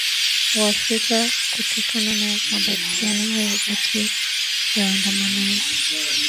wamefariki kutokana na makabiliano hayo kati ya waandamanaji